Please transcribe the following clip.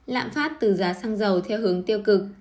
lạm phát từ giá xăng dầu theo hướng tiêu cực